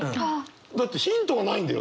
だってヒントがないんだよ。